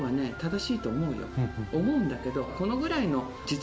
思うんだけど。